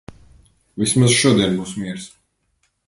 Vismaz šodien būs miers.